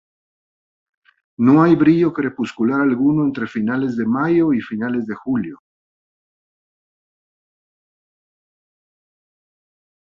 No hay brillo crepuscular alguno entre finales de mayo y finales de julio.